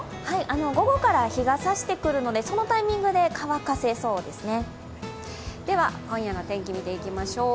午後から日が差してくるので、そのタイミングで乾かせそうですね。